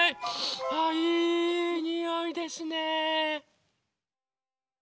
あいいにおいですね。